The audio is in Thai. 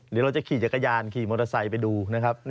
เดี๋ยวเราจะขี่จักรยานขี่มอเตอร์ไซค์ไปดูนะครับ